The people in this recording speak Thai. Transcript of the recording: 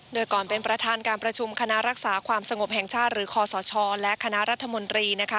โดยก่อนเป็นประธานการประชุมคณะรักษาความสงบแห่งชาติหรือคอสชและคณะรัฐมนตรีนะคะ